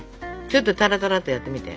ちょっとタラタラっとやってみて。